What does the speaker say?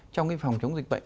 trong cái phòng chống dịch bệnh